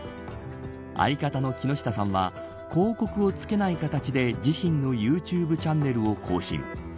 相方の木下さんは広告をつけない形で自身のＹｏｕＴｕｂｅチャンネルを更新。